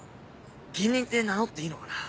芸人って名乗っていいのかな。